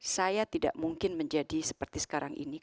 saya tidak mungkin menjadi seperti sekarang ini